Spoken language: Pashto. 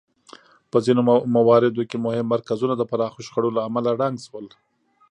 په ځینو مواردو کې مهم مرکزونه د پراخو شخړو له امله ړنګ شول